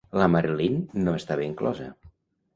La Marilyn no estava inclosa.